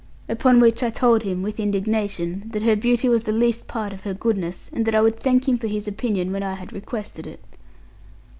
Upon which I told him, with indignation, that her beauty was the least part of her goodness, and that I would thank him for his opinion when I had requested it.